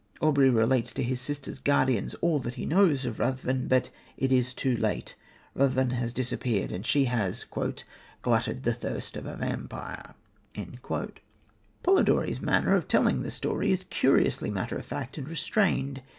Aubrey relates to his sister's guardians all that he knows of Ruthven, but it is too late. Ruthven has disappeared, and she has "glutted the thirst of a vampyre." Polidori's manner of telling the story is curiously matter of fact and restrained.